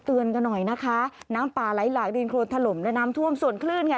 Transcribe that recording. กันหน่อยนะคะน้ำป่าไหลหลากดินโครนถล่มและน้ำท่วมส่วนคลื่นค่ะ